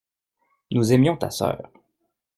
Nous aimions ta sœur.